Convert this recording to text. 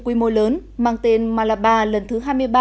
quy mô lớn mang tên malaba lần thứ hai mươi ba